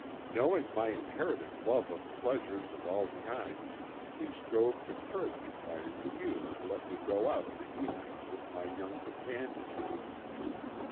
"Knowing my inherited love of pleasures of all kinds he strove to curb me by refusing to let me go out in the evenings with my young companions.